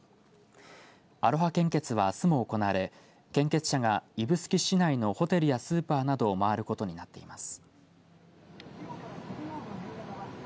アロハ献血はあすも行われ献血車が指宿市内のホテルやスーパーなどを回ることになっています。